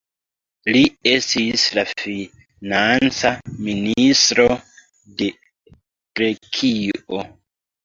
Li estis la Financa Ministro de Grekio.